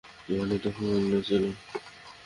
আনউই তখন অন্য ছিল।